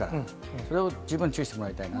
それを十分注意してもらいたいなと。